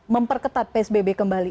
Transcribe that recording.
memperketat psbb kembali